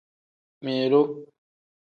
Milu.